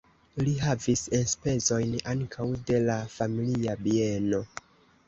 Li havis enspezojn ankaŭ de la familia bieno.